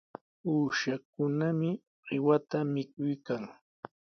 Uushakunami qiwata mikuykan.